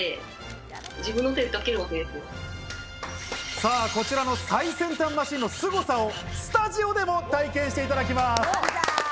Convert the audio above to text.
さぁ、こちらの最先端マシンのすごさをスタジオでも体験していただきます。